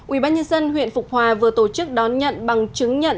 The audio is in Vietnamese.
ubnd huyện phục hòa vừa tổ chức đón nhận bằng chứng nhận